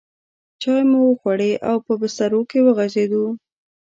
چای مو وخوړې او په بسترو کې وغځېدو.